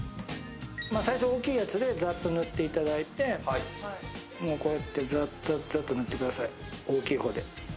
最初大きいやつでざっと塗っていただいて、こうやってザッザッザッと塗ってください、大きい方で。